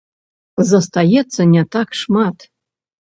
Застаецца не так шмат.